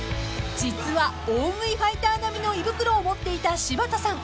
［実は大食いファイター並みの胃袋を持っていた柴田さん］